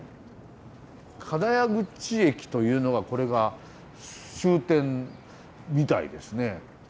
金屋口駅というのがこれが終点みたいですね。